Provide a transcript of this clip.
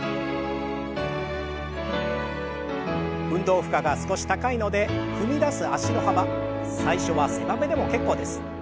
運動負荷が少し高いので踏み出す脚の幅最初は狭めでも結構です。